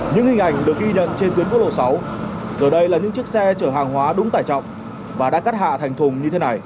những hình ảnh được ghi nhận trên tuyến quốc lộ sáu giờ đây là những chiếc xe chở hàng hóa đúng tải trọng và đã cắt hạ thành thùng như thế này